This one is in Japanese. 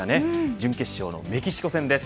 準決勝のメキシコ戦です。